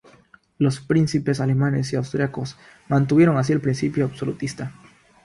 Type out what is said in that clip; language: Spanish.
Los príncipes alemanes y austriacos mantuvieron así el principio absolutista.